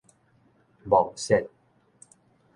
夢泄